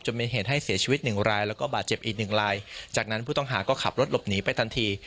มีเหตุให้เสียชีวิตหนึ่งรายแล้วก็บาดเจ็บอีกหนึ่งรายจากนั้นผู้ต้องหาก็ขับรถหลบหนีไปทันที